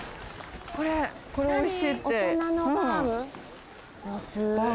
これおいしいって。